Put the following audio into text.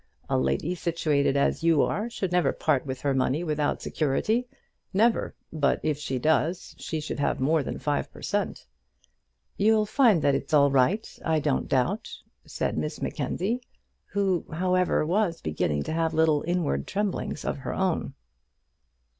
A lady situated as you are should never part with her money without security never: but if she does, she should have more than five per cent." "You'll find it's all right, I don't doubt," said Miss Mackenzie, who, however, was beginning to have little inward tremblings of her own.